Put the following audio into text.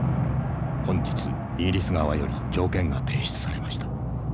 本日イギリス側より条件が提出されました。